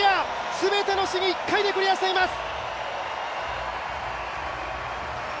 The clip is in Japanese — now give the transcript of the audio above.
全ての試技を１回でクリアしています！